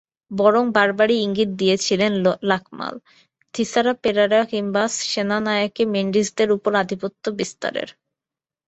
বরং বারবারই ইঙ্গিত দিয়েছিলেন লাকমাল, থিসারা পেরেরা কিংবা সেনানায়েকে-মেন্ডিসদের ওপর আধিপত্য বিস্তারের।